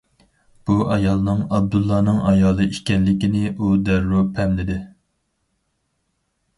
بۇ ئايالنىڭ ئابدۇللانىڭ ئايالى ئىكەنلىكىنى ئۇ دەررۇ پەملىدى.